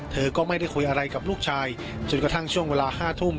เธอก็ไม่ได้คุยอะไรกับลูกชายจนกระทั่งช่วงเวลา๕ทุ่ม